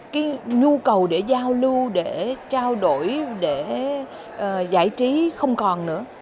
cái nhu cầu để giao lưu để trao đổi để giải trí không còn nữa